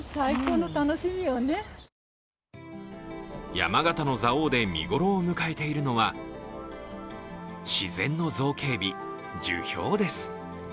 山形の蔵王で見ごろを迎えているのは、自然の造形美・樹氷です。